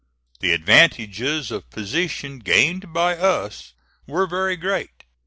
The advantages of position gained by us were very great.